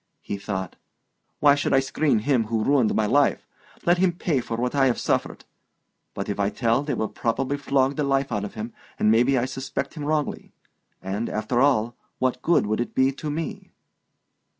He thought, "Why should I screen him who ruined my life? Let him pay for what I have suffered. But if I tell, they will probably flog the life out of him, and maybe I suspect him wrongly. And, after all, what good would it be to me?"